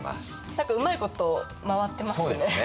何かうまいこと回ってますね。